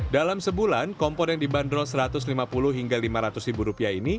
dalam sebulan kompor yang dibanderol rp satu ratus lima puluh lima ratus ini